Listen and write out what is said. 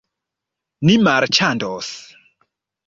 Ni marĉandos.